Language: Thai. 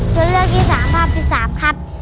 ตัวเลือกที่สามภาพที่สามครับ